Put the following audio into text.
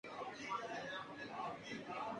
پنجاب میں پاکستان کے ساٹھ فی صد افراد آباد ہیں۔